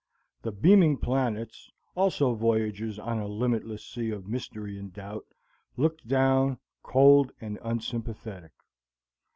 The beaming planets, also voyagers on a limitless sea of mystery and doubt, looked down, cold and unsympathetic.